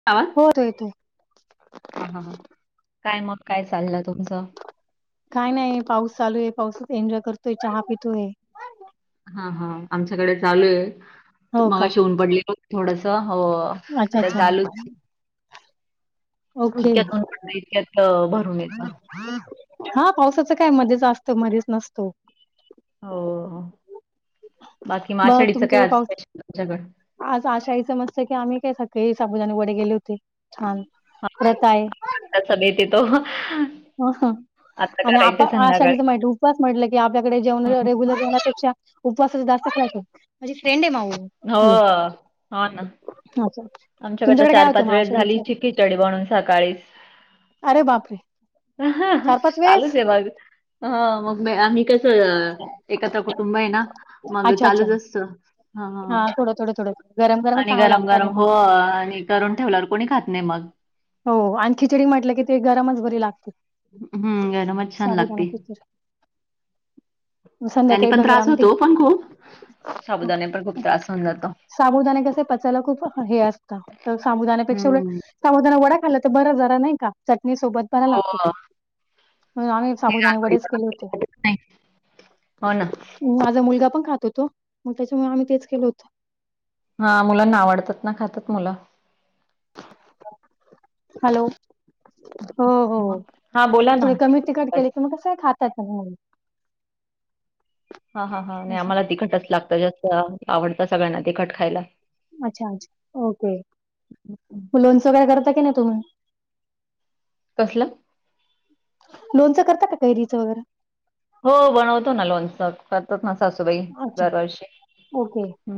आ. चालेल की. हा हा हा काय मग काय चालं तुमचं. काय नाही पाऊस चालू आहे. पाऊसात एन्जॉय करतोय चहा पितोय. हा हा आमच्याकडे चालू ये. हो का मगाशी ऊन पडलेल थोडंसं. अच्छा आता अच्छा. चालूच आहे. ओके इतक्यात इतक्यात भरून येत. हा पावसाच काय मध्येच असतो मध्येच नसतो. हो बाकी मग आषाढीच तुमच्याकडे काय असत पाऊस स्पेशल तुमच्याकड. आज आषाढीच मस्त पैकी आम्ही काय सकाळी साबुदाने वडे गेले होते छान हां, हां. व्रत आहे. आता बेत येतो. आता आणि आप करायचं संध्याकाळी. आषाडीचं [unintelligible] उपास म्हटलं की आपल्याकडे जेवण रेग्युलरण्यापेक्षा उपवासाच जास्तच राहतं, माझी फ्रेंड आहे माऊ हो हॅलो हो ना. अच्छा. आमच्याकडं तुमच्याकडे काय होतं चार-पाच मग वेळ झाली आषाढीचं खिचडी बनवून सकाळीच. अरे बापरे चार पाच चालूच वेळेस आहे मग ह मग आम्ही स एकत्र कुटुंब आहे ना, मग अच्छा चालूच अच्छा असतं. हां. हा थोडे थोडे थोडे. आणि गरम गरम हो. आणि करून ठेवल्यावर कोणी खात नाही मग. हो आणि खिचडी म्हटलं की, ते गरमच बरी लागते. हम गरमच छान साबुदाणा लागते. खिचडी त्यांनी संध्याकाळी पण भगर त्रास आमटी होतो. पण खूप हं, साबुदाने पण खूप त्रास होऊन जातो. साबुदाणे कसे पचायला खूप हे असतं. साबुदाण्यापेक्षा उलट हं. साबुदाणावडा खाल्ला तर बरं जरा नाही का चटणी सोबत बरं लागतो तो. हो. म्हणून आम्ही हे साबुदाने वडेच रात्रीचं केले होते. नाही. हो ना. माझा मुलगा पण खात तो. मग त्याच्यामुळे आम्ही तेच केल होतं. हा मुलांना आवडतात ना खातात मुलं. हॅलो. हो हो मग हां, बोला ना. थोडी कमी तिखट केले, की मग कसं खातात मगं. हा हा हा नाही असं आम्हाला तिखटच लागतं. जास्त आवडतं सगळ्यांना तिखट खायला. अच्छा अच्छा ओके. लोणचं वगैरे करता कणी तुम्ही. कसलं. लोणचं करता कैरीचं वगैरे. हो बनवतो ना लोणचं करतात. ना सासूबाई अच्छा दरवर्षी. ओके. हं.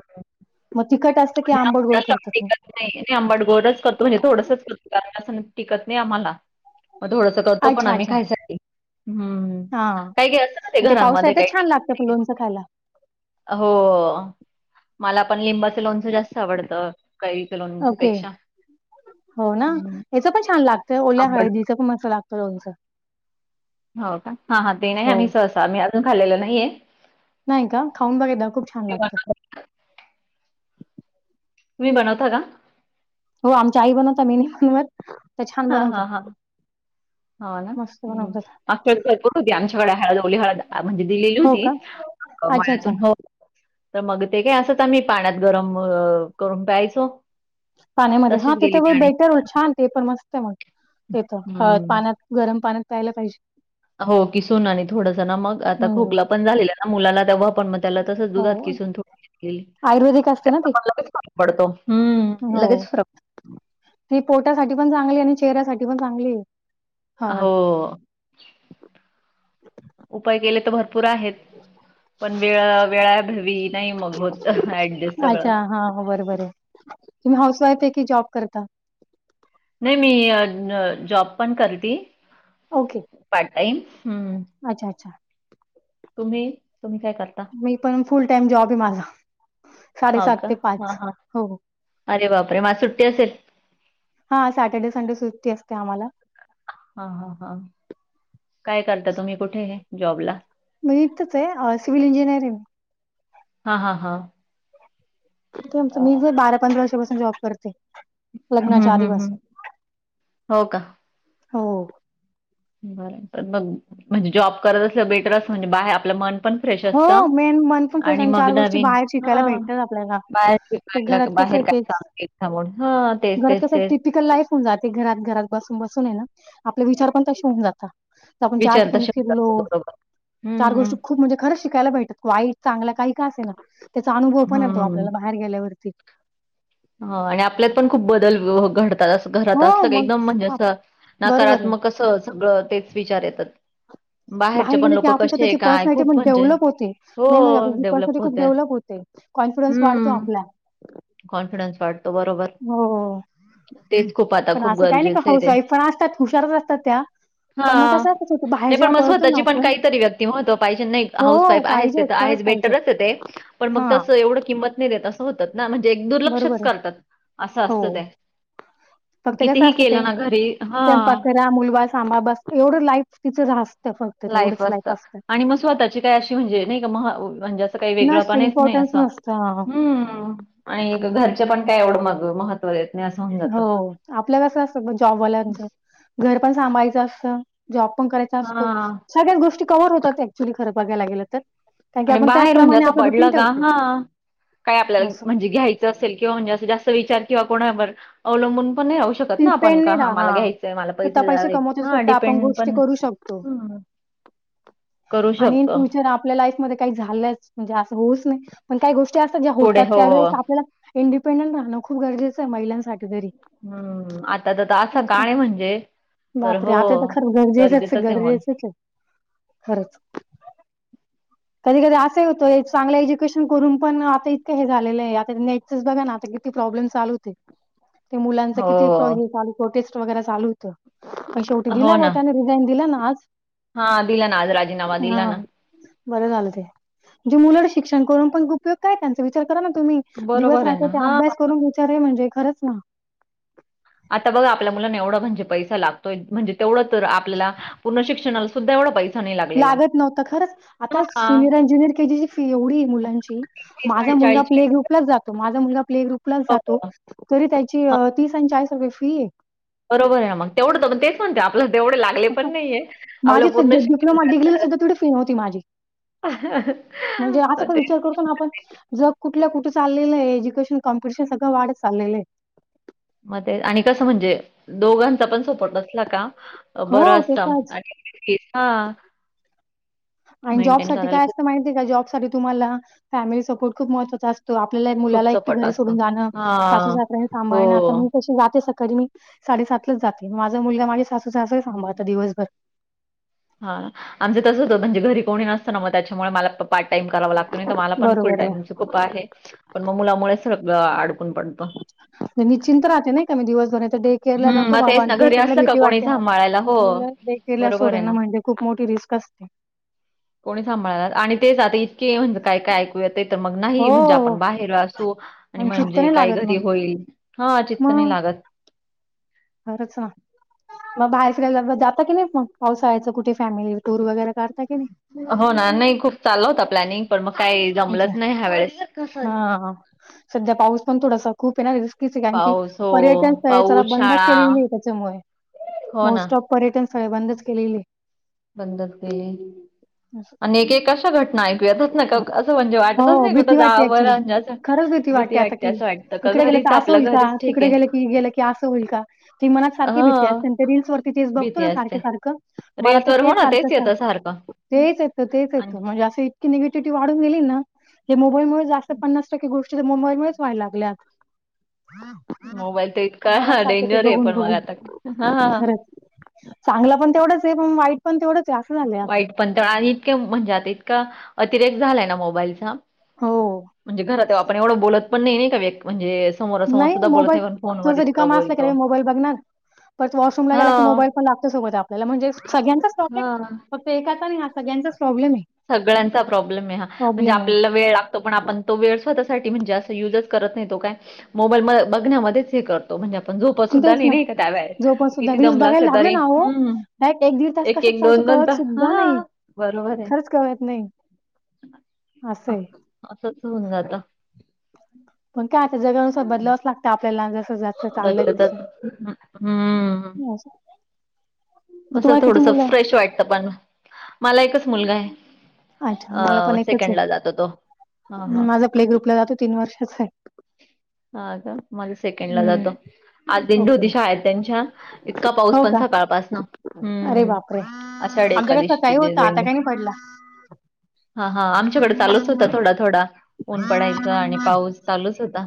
मग तिखट असतं की म्हणजे आंबड आमचा गोड साप करतात मग. टिकत नाही नाही आंबाडगोडच करतो. म्हणजे थोडंसंच करतो कारण असं टिकत नाही आम्हाला. मग थोडंस करतो पण अच्छा, आम्ही अच्छा. खायसाठी. हम्म हां. [unintelligible] ते घरांमध्ये पावसाळ्यातच काही छान टिकत लागतं पण नाही. लोणचं खायला. हो मला पण लिंबाचं लोणचं. जास्त आवडत काही [unintelligible] ओके. पेक्षा. हेच पण छान लागतंय. ओल्या आंबट हळदीचं पण मस्त लागतं लोनचं. हो का हा हा ते नाही आम्ही सहसा आम्ही अजून खाल्लेलं नाहीये. नाही का खाऊन बघा, एकदा खूप छान ते बन लागतं. तुम्ही बनवता का. हो आमच्या आई बनवतात मी नाही बनवत. त्या छान हा हा बनवतात. हा हा हो ना. मस्त ह बनवतात. मागच्या आठवड्यात भरपूर होती. आमच्याकड ओली हळद म्हणजे दिलेली हो होती. का? अच्छा, अच्छा. मळ्यातून हो. तर मग ते काय असंच आम्ही मी पाण्यात गरम करून प्यायचो. पाण्यामध्ये हा तशीच गेली ती तिथं आणि बेटर उलट छान ते पण मस्त मग तिथं हळद हं. पाण्यात. गरम पाण्यात प्यायला पाहिजे. हो किसूना आणि थोडंसं ना मग, आता हं. खोकला पण झालेला ना मुलांना तेव्हा पण. त्याला तसंच हो. दुधात किसून थोडीशी दिली. आयुर्वेदिक असते ना ती? [unintelligible] पडतो हम्म हो. लगेच भरक ती पोटासाठी पण चांगली आहे. आणि चेहऱ्यासाठी पण चांगलीय. हो. उपाय केले तर भरपूर आहेत. पण वेळ वेळा भवी नाही मग होतं ऍडजस्ट सगळं. हा बरोबर ये. तुम्ही हाऊसवाईफ आहे की जॉब करता. नाही मी न जॉब पण करती. ओके. पार्ट टाईम हम्म. अच्छा अच्छा. तुम्ही तुम्ही काय करता. मी पण फुल टाइम जॉब आहे माझा. हो का ते हा हा हो, हो. अरे बापरे मग आज सुट्टी असेल. हा सॅटर्डे संडे सुट्टी असते आम्हांला. हा हा हा काय करता, तुम्ही कुठे आहे जॉबला. मी इथेच आहे सिविल इंजिनियरिंग. हा हा हा. तुमचं मी बरं. जर बारा पंधरा वर्षपासून जॉब करते. हं, लग्नांच्या हं, हं. आधीपासून हो हो. बर मग म्हणजे जॉब करत असलं, बेटर अस म्हणजे बाहेर आपलं मन पण फ्रेश हो, असतं. मेन मन पण फ्रेश आणि मग चार गोष्टी नवीन बाहेर ह शिकायला भेटतात आपल्याला. बाहेर ते काय घरात कसं बाहेर आहे, काय तेच काम असते. हा तेच घरात तेच कसं एक तेच. लाईफ होऊन जाते घरात घरात बसून बसून आहेना आपले विचार पण तसे होऊन जाता तर आपण चार विचार तर ठिकाणी फिरलो शब्दाचे बरोबर. हं, चार गोष्टी हं. खूप म्हणजे खरं शिकायला भेटतात वाईट चांगला काही का असे ना त्याचा अनुभव पण येतो हं. आपल्याला बाहेर गेल्यावर. ह आणि आपल्यात पण खूप बदल हो गड त अस घरात हो असलं क मग एकदम म्हणजे आप असं बरोबर आहे नकारात्मक असं सगळं तेच विचार येतात. बाहेरचे बाहेर पण गेले की लोकं आपली कसे आहे स्वतची काय पर्सनलिटी खूप म्हणजे डेव्हलोप होते हो मेन म्हणजे आपची डेव्हलप पर्सनॅलिी खूप होते. डेव्हलोप होते. कॉन्फिडन्स वाढतो आपला. कॉनफिडन्स वाढतो बरोबर. हो हं. तेच खूप आता पण खूप असं काही नाही का गरजेचं आहे हाऊस वाईफ पण असतात हुशारच असतात त्या. पण मग हा कसं असत होत बाहेर नाही पण जेव्हा मग पळतो ना स्वतःची पण आपण काहीतरी व्यक्ती महत्व पाहिजे नाही हो हाऊस वाईफ आहेच ते पाहिजे तर आहे खरंच बेट पाहिजे च येते पण मग हा तस एवढं किंमत नाही देत असं होत. ना म्हणजे दुर्लक्षच बरोबर आहे करतात असं असतं ते. प्रत्येकाचं कितीही असतं केलं ते ना घरी हां, स्वयपाकरा मुलबा कामापासून एवढं लाईफ तिचं झा लाईफ असत आणि मग स्वता का अशी म्हणजे नाही का म म्हणजे असं काही वेगळा नसतं, पणच नाही इम्पोर्टन्स असं नसतं. हम्म. आणि घ घरचे पण काय एवढं मग मह देत नाही असं [unintelligible] हो आपल्या [unintelligible] कसं असतं म जॉबवाल्यांचं घर पण सांभाळायचं असतं जॉब पण करायचा असतो. हां. सगळ्याच गोष्टी कवर होतात ऍक्च्युली खरं बघायला गेलं तर कारण की आणि आपण बाहेर म्हणजे त्याप्रमाणे असं आपलं रुटीन पडलं का ठेवतो. हा काय आपल्याला असं म्हणजे घ्यायच ज असल किंवा म्हणजे जास्त विचार किंवा कोणावर अवलंबून पण नाही राहू शक आपण डिपेंड क नाही रा हा मला हां. घ्यायचंय मला स्वतः पैसे द्या कमवतो, हा स्वतः आपण डिपेंड गोष्टी पण करू [inaudible] शकतो [unintelligible] करू आणि इन शकतो फ्युचर आपल्या लाईफमध्ये काही झालं म्हणजे असं होच नाही पण काही गोष्टी असतात ज्या पुढे होतात हो त्यावेेळेस आपल्याला इंडिपेंडंट राहणं खूप गरजेचं आहे महिलांसाठी तरी. हम्म आता तर असं काळये म्हणजे तर बापरे हो आता तर खरं गरजेचच गरजेचंच आहे मल गरजेचच आहे खरंच. कधी कधी असंही होतो चांगलं एज्युेशन करून पण आता इतकं हे झालेलं आहे आता नेट च च बघाना आता किती प्रॉब्लेम चालू होते. ते मुलांच हो किती प्रोटेस्ट वगैरे चालू कशाबद्दल [unintelligible] चालू होतं शेवटी हो दिला ना त्यांनी दिला ना आज हा दिला ना आज राजीनामा हा दिला ना. बरं झालं ते जे मुला शिक्षण करून पण उपयोग काय त्यांचा विचार करा ना तुम्ही. दिवस बरोबर आहे रात्र ना ते हा अभ्यास करून विचार म्हणजे खरंच ना आता बघा आपल्या मुलांना एवढा म्हणजे पैसा लागतोय म्हणजे तेवढं तर आपल्याला पूर्ण शिक्षणाला सुद्धा एवढा पैसा नाही लागलेला लागत नव्हता खरंच आता हां सिनियर आणि ज्युनियर केजीची फी एवढी हे मुलांची माझा आणि मुलगा प्ले ग्रुपलाच जातो माझा मुलगा प्ले ग्रुपलाच हो, जातो हो. तरी त्याची हां, तीस आणि चाळीस रुपये फीये. बरोबर आहे मग तेवढंतग तेच तेच म्हणतोय आपला तेवढे लागले आहे पण नाहीे माझी आपलं तर डि पूर्ण शिक्षण डिप्लोमा डिग्रीला झालं सुद्धा तेवढी फी नव्हती माझी. म्हणजे असा पण विचार तेच करतो ना आपण [unintelligible] जग कुठल्या कुठ चालेल आहे, एज्युकेशन कम्पिटिशन सगळ वाढत चाललेलं आहे. म ते आणि कसं म्हणजे दोघांचा पण सपोट असला का! बरं हो, ते असता तरच हा. आणि जॉब साठी काय असतं माहिती आहे का जॉब साठी तुम्हाला फॅमिली सपोर्ट खूप महत्वाचा अस तो. आपल्याला खूप मुलाला एक सपोर्ट घरी असतो. सोडून जाणं सासू हां. सासरा हे हो. सांभाळणं आता मी कशी जाते. कधी मी साडेसातलाच जाते माझा मुलगा माझ्या सासू सासरे सांभळतात आता दिवसभर. हा आमचं तसं होत म्हणजे घरी कोणी नसतं ना मग त्याच्यामुळे मला पार्ट टाइम करावा लागतों, नाही तर मला पण फुल बरोबर आहे. टाईमच कृपा आहे. पण मग मुलामुळे सगळं अडकून पडतं. निश्चित राहते नाही कामी दिवसभर तर डे केयरला हं, नको मग बाबा तेच ना ते घरी केरायला असलं का भीती कोणी वाटते मला. सांभाळायला हो. मुलं टेकेअरला बरोबर आहे सोडन ना. म्हणजे खूप मोठी रिस्क असते. कोणी सांभाळनार आणि तेच आता इतके म्हणजे काय काय मग नाही म्हणजे हो आपण बाहेर‌ असू आणि चित्त म्हणजे नाही काही लागत घरी मग होईल. हा चित्त नाही मग लागत. खरंच ना‌. मग बाहेर फिरायला जाता की नाही मग पावसाळ्याचं कुठे फॅमिली टूर वगैरे काढता की नाही. हो ना नाही खूप चालला होता प्लॅनिंग पण मग काही जमलंच अच्छा नाही ह्या वेळेस. हा सध्या पाऊस पण थोडासा खूप आहे ना. कारण की पाऊस हो पर्यटन स्थळे त्याला पाऊस, बंदच शाळा केलेली आहे त्याच्यामुळे हो ना मोस्ट ऑफ पर्यटन स्थळे बंदच केलेली हे. बंदच केली असं. आणि एक एक कशा घटना ऐकूयातच ना का असं म्हणजे हो वाटत. नाही कुठं भीती वाटते जाव ऍक्च्युली असं खरंच भीती आता वाटते की असं वाटतं का इकडे गेलं घरीच तर असं आपल्या होईल का घरीच ठीक तिकडे आहे. गेलं की गेलं असं होईल का? ती मनात सारकी भीती हं असते रिल्स वरती च बघतो भीती ना असते. सारख सारखं मला ते रील्सवर हो तेच ना सारखं तेच येतं सारखं तेच येतं तेच आणि येतं म्हणजे असं निगेटिव्हटी वाढून गेली ना ह्या मोबाईमुळे जास्त पन्नास टक्के गोष्टी मोबाईल मुळेच व्हाय लागल्या. मोबाईल तर इतका डेंजर आहे पण मग बघून आता हा. खरंच. चांगलं पण तेवढंच आहे पण वाईट पण तेवढंच आहे असं झालंय आता. वाईट पण त आणि इतके म्हणजे आता इतका अतिरेक झालाय ना मोबाईलचा. हो. म्हणजे घरात आपण एवढं बोलत पण नाही नाही का व्यक् म्हणजे समोरासमोर नाही सुद्धा बोलत मोबाईल नाही पण फोनवर थोडस इतकं रिकाम असला की बोलतो. लगे मोबाईल बघणार. परत वॉशरूमला हो, गेला की मोबाईल पण लागतो सोबत आपल्याला म्हणजे सगळ्यांच हां. प्रॉब्लेम. एकाचा नाही हा सगळ्यांचाच प्रॉब्लेम आहे. सगळ्यांचा प्रॉब्लेम आहे हा, म्हणजे प्रॉब्लेम आहे. आपल्याला वेळ लागतो पण आपण तो वेळ स्वतःसाठी म्हणजे जास्त युजच करत नाही तो काय मोबाईल म बघण्यामध्येच हे करतो. तो म्हणजे आपण झोपत सुद्धा तेच नाही ना. नाही का त्यावेळला किती दमल असलं तरी हम‌. ह्यात एक दीड तास कसच चालतो कळत सुद्धा नाही हां, बरोबर आहे. खरंच कळत नाही. असं हे. असंच होऊन जात. पण काय आता जगानुसार बदलावच लागतं आपल्याला जसं जात. त्यातलं त्यात हंम्म. असं. मग असं तुम्हाला किती थोडस मुलं आहे? फ्रेश वाटत पण मला एकच मुलगा आहे. अच्छा मला अ पण एकच सेकंड ला आहे. जातो तो‌. माझा प्ले ग्रुपला जातो तीन वर्षाच आहे. हा का माझा सेकंड ला हं. जातो. आज दिंडी ओके. होती शाळेत त्यांच्या, इतका पाऊस हो पण का? सकाळपास हां अरे हम्म बापरे! आषाढी आमच्याकडे एकादशीची सकाळी [unintelligible] होता आता काही नाही पडला. हा हा आमच्याकडे चालूच होता. थोडा थोडा ऊन पडायच आणि पाऊस चालूच होता.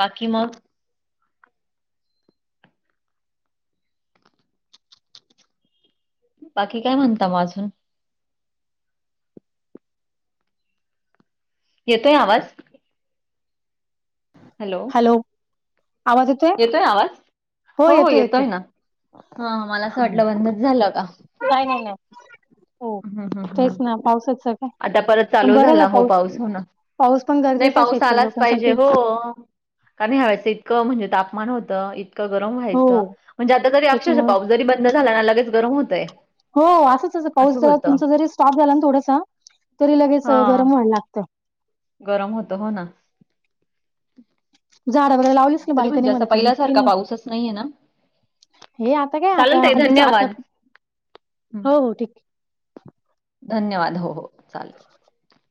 बाकी मग. बाकी काय म्हणता मग अजून. येतोय आवाज. हॅलो. हॅलो आवाज येतोय. हो हो येतोय ना. हा मला असं वाटलं बंदच झालं का. नाही नाही नाही. हो हम हम हम. तेच ना पावसाचं. काय आता परत पण चालू बरं ना झाला. हो पाऊस हो ना पाऊस पण नाही गरजेचा आहे पाऊस शेतकरी आलाच पाहिजे लोकांसाठी. हो. कारण ह्या वेळेस इतकं म्हणजे तापमान होतं. इतकं गरम हो व्हायचं म्हणजे, आता तरी अक्षरशः त्याच्यामुळे पाऊस जरी बंद झाला ना लगेच गरम होतंय. हो असंच पाऊस असं जरा होतं. तुमचा जरी स्टॉप झाला ना, थोडंसं तरी लगेच गरम हां, व्हायला लागतं. गरम होतं होणा. झाड वगैरे लावलीस की तरी बाल्कनी म्हणजे असा मध्ये तुम्ही कि पहिल्यासारखा नयी. पाऊसच नाहीये ना. हे आता काय आता चालेल ताई आदीच आता धन्यवाद. हं, हो हो ठीक ये. धन्यवाद हो हो चालेल. [inaudible]